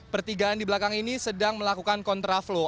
pertigaan di belakang ini sedang melakukan kontra flow